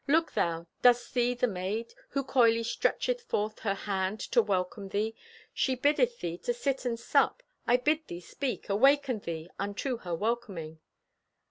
Look thou! Dost see the maid Who coyly stretcheth forth her hand To welcome thee? She biddeth thee To sit and sup. I bid thee speak. Awaken thee unto her welcoming.